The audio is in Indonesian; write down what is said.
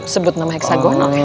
sebut nama heksagonal ya